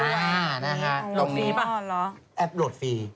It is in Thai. อ่านะฮะตรงนี้แอปโหลดฟรี